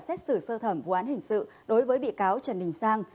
xét xử sơ thẩm vụ án hình sự đối với bị cáo trần đình sang